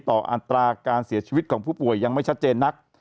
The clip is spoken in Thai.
อัตราการเสียชีวิตของผู้ป่วยยังไม่ชัดเจนนัก